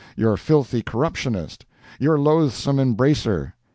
your Filthy Corruptionist! your Loathsome Embracer!